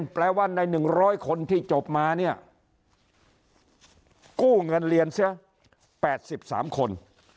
แปลว่าใน๑๐๐คนที่จบมาเนี่ยกู้เงินเรียนเสีย๘๓คน